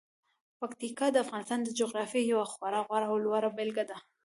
پکتیکا د افغانستان د جغرافیې یوه خورا غوره او لوړه بېلګه ده.